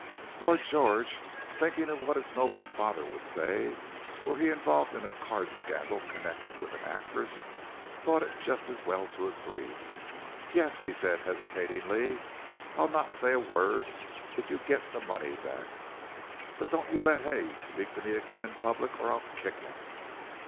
Lord George, thinking of what his noble father would say were he involved in a card scandal connected with an actress, thought it just as well to agree. "Yes," said he, hesitatingly, "I'll not say a word, if you get the money back. But don't you let Hay speak to me again in public or I'll kick him."